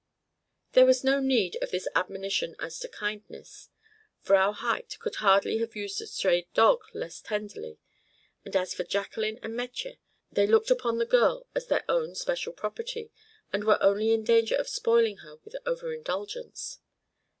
There was no need of this admonition as to kindness. Vrow Huyt could hardly have used a stray dog less than tenderly. And for Jacqueline and Metje, they looked upon the girl as their own special property, and were only in danger of spoiling her with over indulgence.